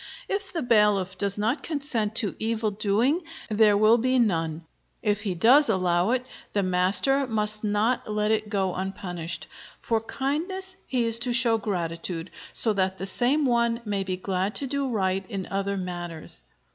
If the bailiff does not consent to evil doing there will be none. If he does allow it, the master must not let it go unpunished. For kindness he is to show gratitude, so that the same one may be glad to do right in other matters.